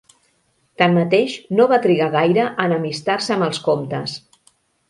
Tanmateix, no va trigar gaire a enemistar-se amb els comtes.